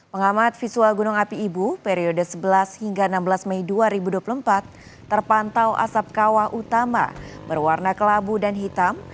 pengamat visual gunung api ibu periode sebelas hingga enam belas mei dua ribu dua puluh empat terpantau asap kawah utama berwarna kelabu dan hitam